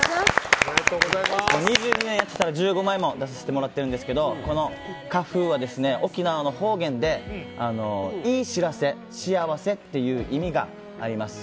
２２年やってたら１５枚も出させてもらってるんですけど「Ｋａｆｕｕ」は沖縄の方言でいい知らせ、幸せっていう意味があります。